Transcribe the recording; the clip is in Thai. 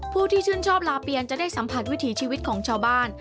ผู้ที่ชื่นชอบลาเปียนจะได้สัมผัสวิถีชีวิตของชาวบ้าน